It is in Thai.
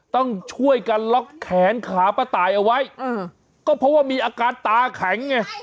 ต้องช่วยกันล็อกแขนขาป้าตายเอาไว้ก็เพราะว่ามีอาการตาแข็งไง